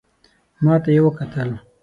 ماته یې وکتل .